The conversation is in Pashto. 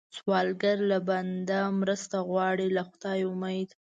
سوالګر له بنده مرسته غواړي، له خدایه امید